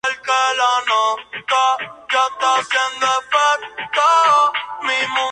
Eran muy visibles por los viandantes de la Avenida de Chang'an.